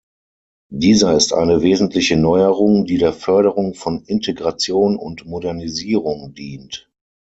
Dieser ist eine wesentliche Neuerung, die der Förderung von Integration und Modernisierung dient.